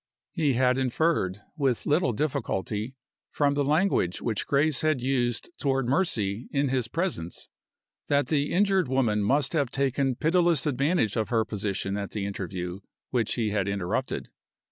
He had inferred, with little difficulty, from the language which Grace had used toward Mercy in his presence, that the injured woman must have taken pitiless advantage of her position at the interview which he had interrupted.